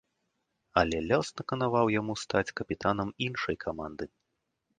Але лёс наканаваў яму стаць капітанам іншай каманды.